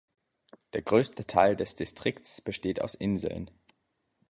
Der größte Teil des Distriktes besteht aus Inseln.